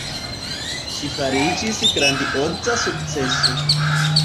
Ĝi fariĝis grandioza sukceso.